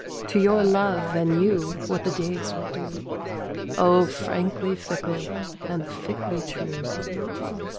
To your Love and you what the days will do, O frankly fickle, and fickly true?